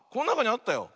あったよ。